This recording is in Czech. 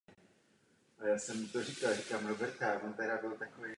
Ráda bych požádala o tři věci.